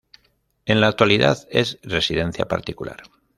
En la actualidad es residencia particular.